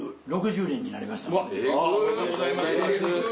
おめでとうございます。